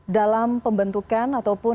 dalam pembentukan ataupun